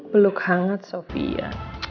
beluk hangat sofia